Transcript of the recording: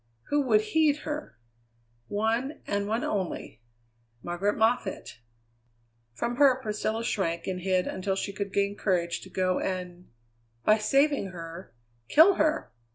Who would heed her? One, and one only. Margaret Moffatt! From her Priscilla shrank and hid until she could gain courage to go and by saving her, kill her!